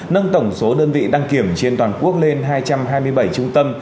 nâng tổng số đơn vị đăng kiểm trên toàn quốc lên hai trăm hai mươi bảy trung tâm